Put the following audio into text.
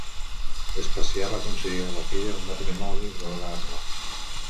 Vespasià va concedir a la filla un matrimoni honorable.